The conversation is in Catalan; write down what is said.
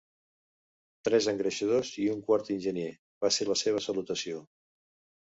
Tres engreixadors i un quart enginyer, va ser la seva salutació.